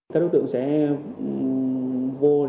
các đối tượng sẽ vô sẽ gửi